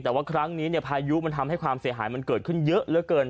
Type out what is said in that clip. แต่ว่าครั้งนี้พายุมันทำให้ความเสียหายมันเกิดขึ้นเยอะเหลือเกิน